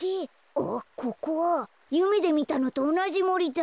あっここはゆめでみたのとおなじもりだ。